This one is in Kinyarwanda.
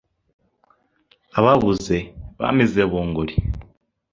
ababuze bamize bunguri